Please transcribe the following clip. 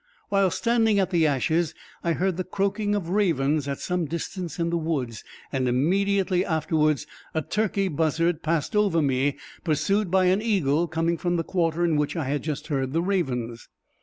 Whilst standing at the ashes I heard the croaking of ravens at some distance in the woods, and immediately afterwards a turkey buzzard passed over me pursued by an eagle, coming from the quarter in which I had just heard the ravens.